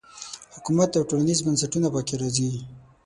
حکومت او ټولنیز بنسټونه په کې راځي.